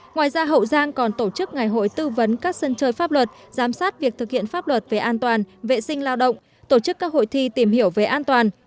ngoài ra hậu giang còn tổ chức ngày hội tư vấn các sân chơi pháp luật giám sát việc thực hiện pháp luật về an toàn vệ sinh lao động tổ chức các hội thi tìm hiểu về an toàn